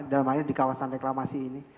dalam hal ini di kawasan reklamasi ini